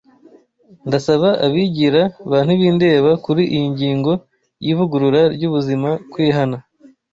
Ndasaba abigira ba ntibindeba kuri iyi ngingo y’ivugurura ry’ubuzima kwihana